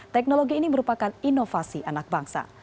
teknologi ini merupakan inovasi anak bangsa